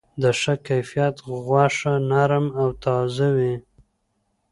د ښه کیفیت غوښه نرم او تازه وي.